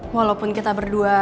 walaupun kita berdua